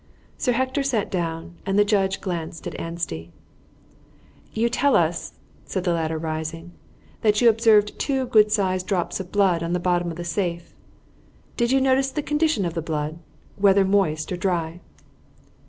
Sir Hector sat down, and the judge glanced at Anstey. "You tell us," said the latter, rising, "that you observed two good sized drops of blood on the bottom of the safe. Did you notice the condition of the blood, whether moist or dry?"